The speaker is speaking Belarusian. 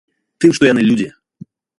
Тым, што яны людзі.